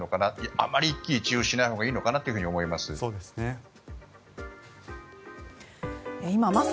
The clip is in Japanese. あまり一喜一憂しないほうがいいのかなと思います。